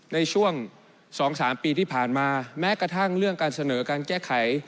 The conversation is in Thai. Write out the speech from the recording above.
ในช่วง๒๓ปีที่ผ่านมาแม้กระทั่งเรื่องการเสนอการแก้ไข